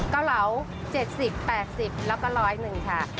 ก็เหลา๗๐๘๐แล้วก็๑๐๑บาท